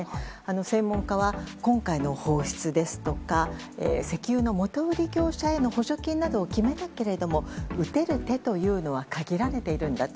専門家は今回の放出ですとか石油の元売り業者への補助金などを決めたけれども打てる手は限られているんだと。